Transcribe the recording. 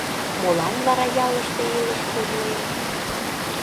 Молан вара ялыште илыш пужлен?